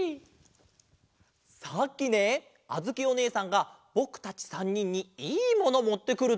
さっきねあづきおねえさんがぼくたち３にんに「いいもの」もってくる！